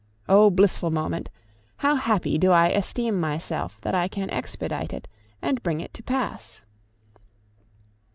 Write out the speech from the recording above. Oh, blissful moment! how happy do I esteem myself that I can expedite it and bring it to pass!